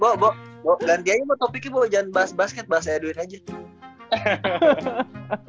bo bo bo ganti aja sama topiknya bo jangan bahas basket bahas edwin aja